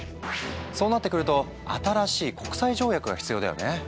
そうなってくると新しい国際条約が必要だよね。